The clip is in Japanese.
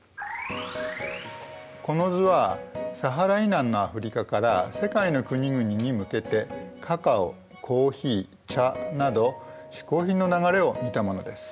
この図はサハラ以南のアフリカから世界の国々に向けてカカオコーヒー茶など嗜好品の流れを見たものです。